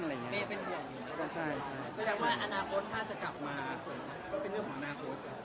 ไม่ว่าอนาคตจะกลับมาก็เป็นเรื่องของเรื่องที่เหล่านาคต